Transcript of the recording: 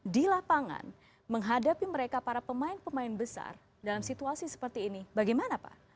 di lapangan menghadapi mereka para pemain pemain besar dalam situasi seperti ini bagaimana pak